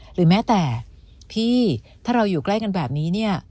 หรือแม้แต่พี่ถ้าเราอยู่ใกล้กันแบบนี้เนี่ย